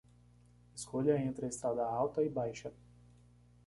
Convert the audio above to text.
Escolha entre a estrada alta e baixa.